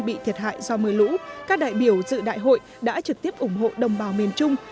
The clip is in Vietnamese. bị thiệt hại do mưa lũ các đại biểu dự đại hội đã trực tiếp ủng hộ đồng bào miền trung